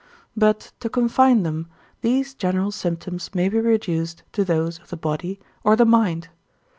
But to confine them, these general symptoms may be reduced to those of the body or the mind.